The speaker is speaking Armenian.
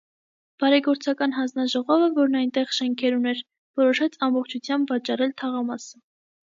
Բարեգործական հանձնաժողովը, որն այնտեղ շենքեր ուներ, որոշեց ամբողջությամբ վաճառել թաղամասը։